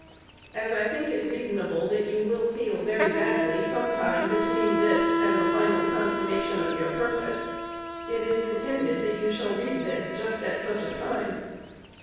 As I think it reasonable that you will feel very badly sometime between this and the final consummation of your purpose, it is intended that you shall read this just at such a time.